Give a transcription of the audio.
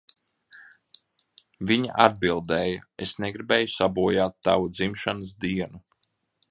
Viņa atbildēja, "Es negribēju sabojāt tavu dzimšanas dienu."